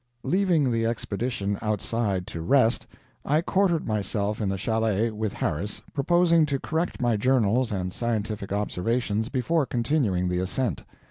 Leaving the Expedition outside to rest, I quartered myself in the chalet, with Harris, proposing to correct my journals and scientific observations before continuing the ascent.